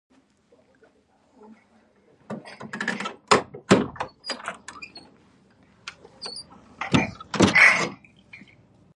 د چرسو کښت او پلور قانوني دی.